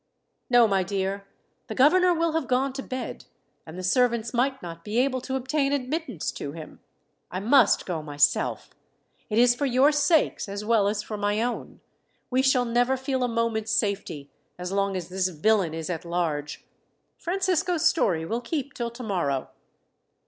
"No, my dear. The governor will have gone to bed, and the servants might not be able to obtain admittance to him. I must go myself. It is for your sakes, as well as for my own. We shall never feel a moment's safety, as long as this villain is at large. Francisco's story will keep till tomorrow.